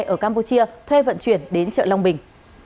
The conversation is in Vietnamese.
ở campuchia thuê vận chuyển đến chợ long bình